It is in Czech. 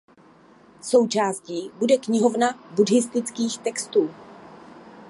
Součástí bude knihovna buddhistických textů.